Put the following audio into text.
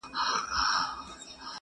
خو د ښکار یې په هیڅ وخت کي نسته ګټه-